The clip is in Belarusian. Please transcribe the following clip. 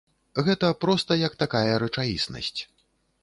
Гэта проста як такая рэчаіснасць.